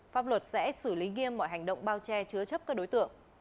pháp luật sẽ xử lý nghiêm mọi hành động bao che chứa chấp các đối tượng